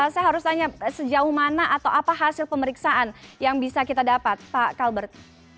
saya harus tanya sejauh mana atau apa hasil pemeriksaan yang bisa kita dapat pak kalbert